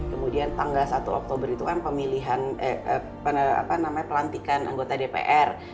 kemudian tanggal satu oktober itu kan pemilih pelantikan anggota dpr